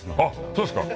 そうですか？